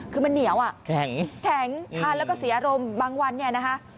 คือมันเหนียวอ่ะแข็งทานแล้วก็เสียอารมณ์บางวันเนี่ยนะคะ